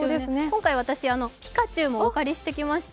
今回、私、ピカチュウもお借りしてきました。